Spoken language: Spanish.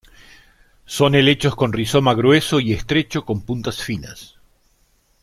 Son helechos con rizoma grueso y estrecho con puntas finas.